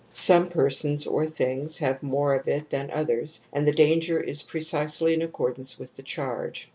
Some persons or things have more of it than others and the danger is precisely in accordance with the charge.